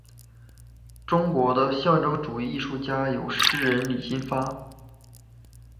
中国的象征主义艺术家有诗人李金发。